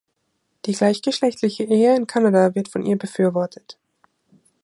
Die gleichgeschlechtliche Ehe in Kanada wird von ihr befürwortet.